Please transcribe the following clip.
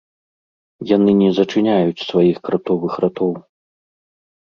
Яны не зачыняюць сваіх кратовых ратоў.